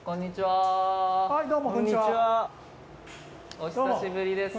お久しぶりです。